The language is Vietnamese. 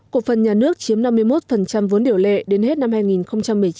cổ phần nhà nước chiếm năm mươi một vốn điều lệ đến hết năm hai nghìn một mươi chín